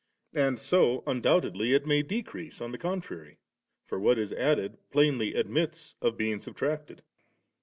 And so undoubtedly it may decrease on the contrary, for what is added plainly admits of being subtracted.